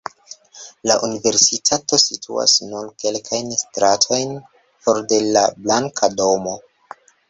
La universitato situas nur kelkajn stratojn for de la Blanka Domo.